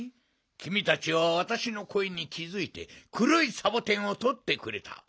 きみたちはわたしのこえにきづいてくろいサボテンをとってくれた。